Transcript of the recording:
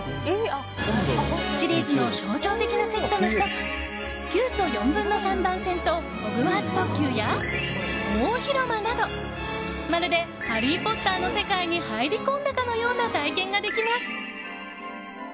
シリーズの象徴的なセットの１つ９と４分の３番線とホグワーツ特急や大広間などまるで「ハリー・ポッター」の世界に入り込んだかのような体験ができます。